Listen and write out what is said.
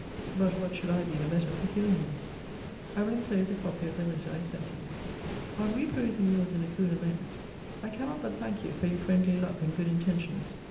But what should I be the better for killing him? I will enclose a copy of the letter I sent him. On re perusing your's in a cooler moment, I cannot but thank you for your friendly love, and good intentions.